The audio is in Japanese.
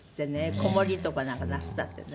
子守とかなんかなすったってね。